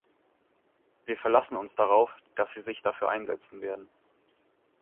Wir verlassen uns darauf, dass Sie sich dafür einsetzen werden.